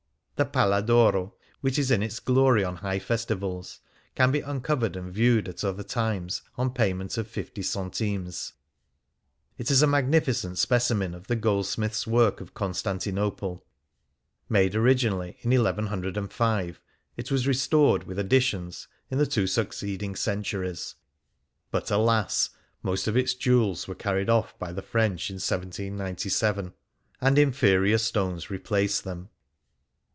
The Pala d' Oro, which is in its glory on high festivals, can be uncovered and viewed at other times on payment of 50 centimes. It is a magnificent specimen of the goldsmiths' work of Constantinople. Made originally in 1105, it was restored, with addi tions, in the two succeeding centuries. But alas ! most of its jewels were carried off by the French in 1797, and inferior stones replace them.